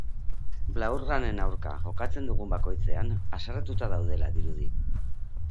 Blaugranen aurka jokatzen dugun bakoitzean haserretuta daudela dirudi.